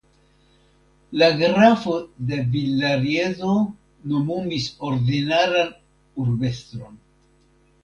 La Grafo de Villariezo nomumis ordinaran urbestron.